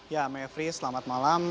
ya mevri selamat malam